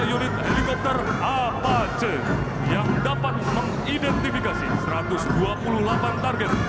tiga unit helikopter apac yang dapat mengidentifikasi satu ratus dua puluh delapan target